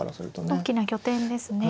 大きな拠点ですね。